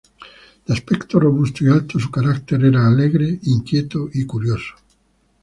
De aspecto robusto y alto, su carácter era alegre, inquieto y curioso.